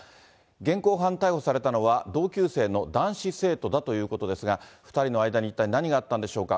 現行犯逮捕されたのは、同級生の男子生徒だということですが、２人の間に一体何があったんでしょうか。